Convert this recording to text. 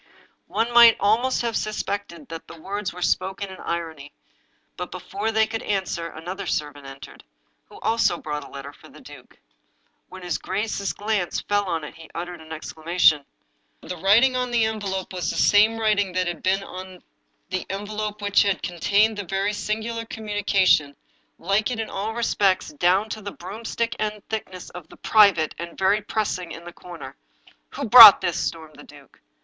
One might almost have suspected that the words were spoken in irony. But before they could answer, another servant entered, who also brought a letter for the duke. When his grace's glance fell on it he uttered an exclama tion. The writing on the envelope was the same writing that had been on the envelope which had contained the very singular communication — like it in all respects, down 278 The Lost Duchess to the broomstick end thickness of the "Private!" and *' Very pressing !! I " in the corner. "Who brought this?" stormed the duke.